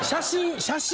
写真。